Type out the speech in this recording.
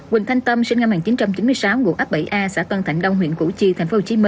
quỳnh thanh tâm sinh năm một nghìn chín trăm chín mươi sáu ngụ ấp bảy a xã tân thạnh đông huyện củ chi tp hcm